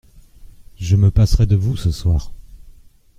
Je me passerai de vous ce soir…